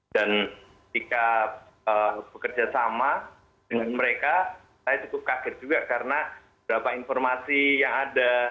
dan ketika bekerja sama dengan mereka saya cukup kaget juga karena berapa informasi yang ada